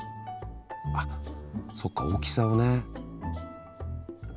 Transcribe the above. あっそっか大きさをね。